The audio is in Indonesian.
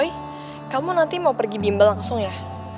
kamu nanti mau pergi bimbel langsung ya